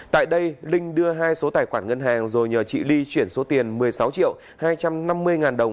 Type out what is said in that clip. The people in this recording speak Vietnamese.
tại đây linh đưa hai số tài khoản ngân hàng rồi nhờ chị ly chuyển số tiền một mươi sáu triệu hai trăm năm mươi ngàn đồng